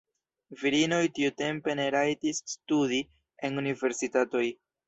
Virinoj tiutempe ne rajtis studi en universitatoj.